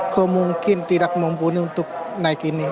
kemungkin tidak mumpuni untuk naik ini